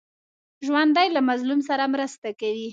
ژوندي له مظلوم سره مرسته کوي